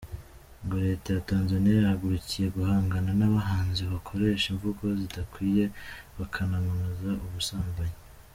Ngo Leta ya Tanzania yahagarukiye guhangana n’abahanzi bakoresha imvugo zidakwiye bakanamamaza ubusambanyi.